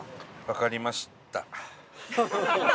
わかりました。